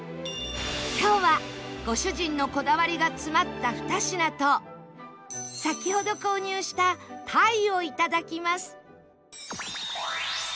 今日はご主人のこだわりが詰まった２品と先ほど購入した鯛をいただきます